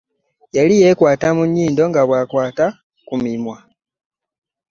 Yali y'ekwata mu nyindo nga bw'abakwata mu kamwa.